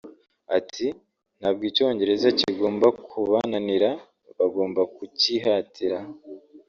Ati“Ntabwo Icyongereza kigomba kubananira bagomba kucyihatira